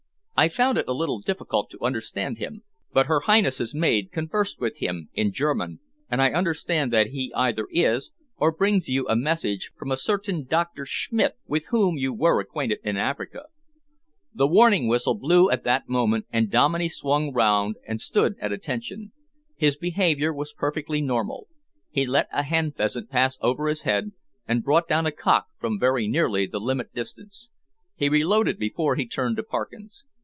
I found it a little difficult to understand him, but her Highness's maid conversed with him in German, and I understand that he either is or brings you a message from a certain Doctor Schmidt, with whom you were acquainted in Africa." The warning whistle blew at that moment, and Dominey swung round and stood at attention. His behaviour was perfectly normal. He let a hen pheasant pass over his head, and brought down a cock from very nearly the limit distance. He reloaded before he turned to Parkins.